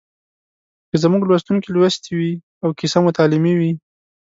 که زموږ لوستونکي لوستې وي او کیسه مو تعلیمي وي